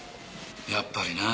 やっぱりな。